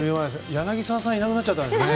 柳澤さんいなくなっちゃったんですね。